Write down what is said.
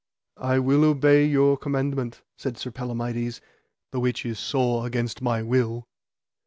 I will obey your commandment, said Sir Palamides, the which is sore against my will.